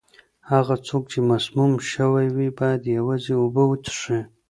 هغه څوک چې مسموم شوی وي، باید یوازې اوبه وڅښي.